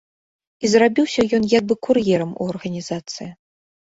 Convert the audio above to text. І зрабіўся ён як бы кур'ерам у арганізацыі.